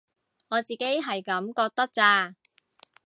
我自己係噉覺得咋